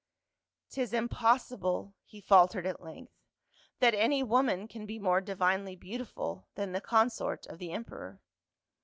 " 'Tis impossible," he faltered at length, "that any woman can be more divinely beautiful than the consort of the emperor."